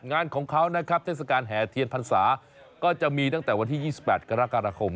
งานของเขานะครับเทศกาลแห่เทียนพรรษาก็จะมีตั้งแต่วันที่๒๘กรกฎาคม